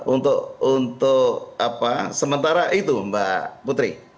untuk sementara itu mbak putri